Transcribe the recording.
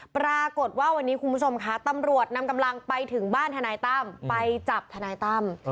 ปรากฏว่าวันนี้คุณผู้ชมคะตำรวจนำกำลังไปถึงบ้านทนายตั้มไปจับทนายตั้ม